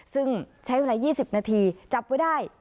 ซึ่งใช้เวลา๒๐นาทีจับไว้ได้